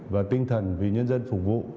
và tinh thần vì nhân dân phục vụ